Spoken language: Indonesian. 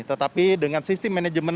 tetapi dengan sistem manajemen